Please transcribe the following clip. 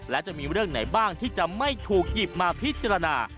และจะมีเรื่องไหนบ้างที่จะไม่ถูกหยิบมาพิจารณา